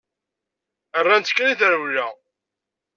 Rran-tt kan i trewla.